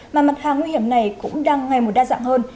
mà mặt hàng nguy hiểm này cũng đang ngày một đa dạng hơn